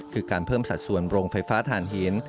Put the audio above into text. คือการเพิ่มสัดส่วนโรงไฟฟ้าฐานหิน